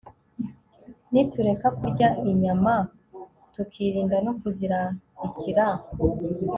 nitureka kurya inyama, tukirinda no kuzirarikira